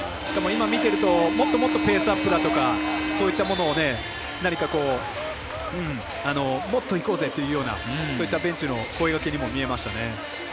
今見てると、もっともっとペースアップだとかそういったものを何かもっといこうぜ！というようなそういったベンチの声がけにも見えましたね。